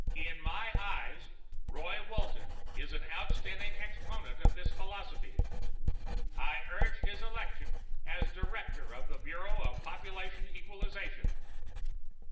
In my eyes, Roy Walton is an outstanding exponent of this philosophy. I urge his election as director of the Bureau of Population Equalization."